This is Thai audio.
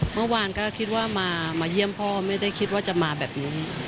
เมื่อวานก็คิดว่ามาเยี่ยมพ่อไม่ได้คิดว่าจะมาแบบนี้